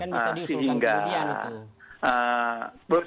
tapi kan bisa diusulkan kemudian itu